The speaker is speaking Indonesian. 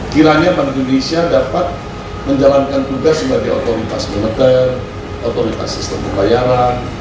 kiranya bank indonesia dapat menjalankan tugas sebagai otoritas moneter otoritas sistem pembayaran